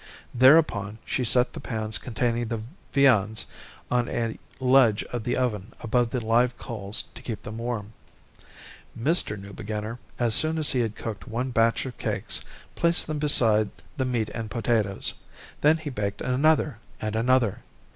Thereupon, she set the pans containing the viands on a ledge of the oven above the live coals to keep them warm. Mr. Newbeginner, as soon as he had cooked one batch of cakes, placed them beside the meat and potatoes. Then he baked another and another.